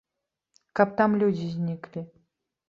Каб там людзі зніклі.